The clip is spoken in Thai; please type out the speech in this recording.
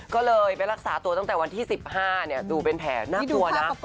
ก็เลยไปรักษาตัวตั้งแต่วันที่๑๕ดูเป็นแผลน่ากลัวนะ